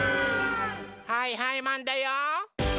はいはいマンだよ！